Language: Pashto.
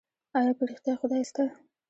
ايا په رښتيا خدای سته؟